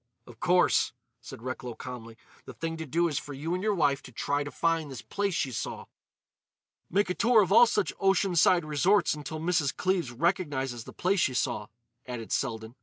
"Of course," said Recklow calmly, "the thing to do is for you and your wife to try to find this place she saw." "Make a tour of all such ocean side resorts until Mrs. Cleves recognises the place she saw," added Selden.